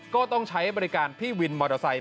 ก็ต้องใช้บริการพี่วินมอเตอร์ไซค์